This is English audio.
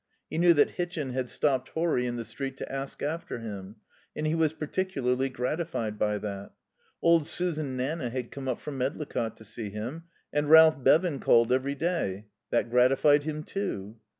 He knew that Hitchin had stopped Horry in the street to ask after him, and he was particularly gratified by that. Old Susan Nanna had come up from Medlicott to see him. And Ralph Bevan called every day. That gratified him, too.